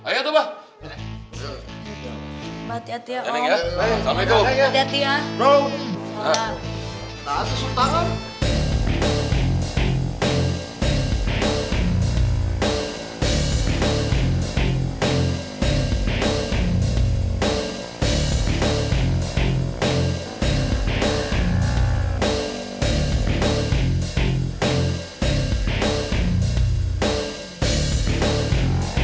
yaudah tuh abah